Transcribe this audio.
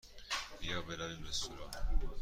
بیا برویم رستوران.